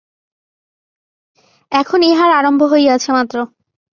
এখন ইহার আরম্ভ হইয়াছে মাত্র।